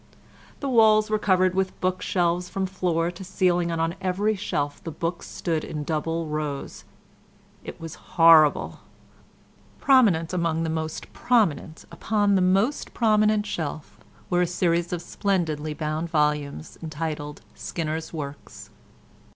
The walls were covered with book shelves from floor to ceiling, and on every shelf the books stood in double rows. It was horrible. Prominent among the most prominent upon the most prominent shelf were a series of splendidly bound volumes entitled "Skinner's Works."